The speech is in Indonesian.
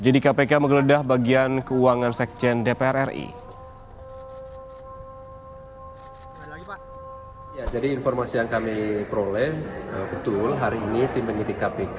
jadi kpk menggeledah bagian keuangan sekjen dpr ri